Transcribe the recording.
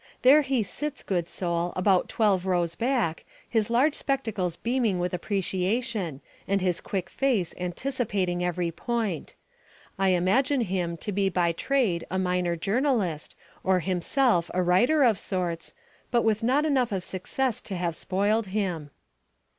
There he sits, good soul, about twelve rows back, his large spectacles beaming with appreciation and his quick face anticipating every point. I imagine him to be by trade a minor journalist or himself a writer of sorts, but with not enough of success to have spoiled him.